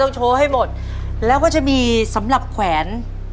โชว์ให้หมดแล้วก็จะมีสำหรับแขวน